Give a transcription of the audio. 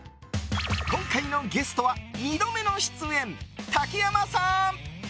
今回のゲストは２度目の出演、竹山さん。